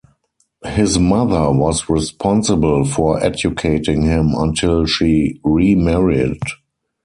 His mother was responsible for educating him until she remarried.